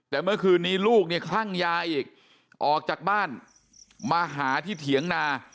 แต่เมื่อคืนนี้ลูกเนี่ยคลั่งยาอีกออกจากบ้านมาหาที่เถียงนา